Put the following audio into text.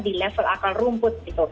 di level akal rumput